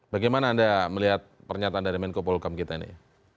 bagaimana anda melihat pernyataan dari menko polkam kita ini